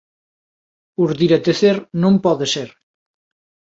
Urdir e tecer non pode ser.